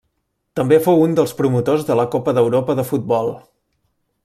També fou un dels promotors de la Copa d'Europa de futbol.